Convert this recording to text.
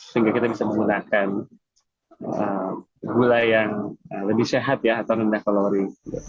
sehingga kita bisa menggunakan gula yang lebih sehat ya atau rendah kalori